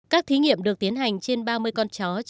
các thí nghiệm được tiến hành trên ba mươi con chó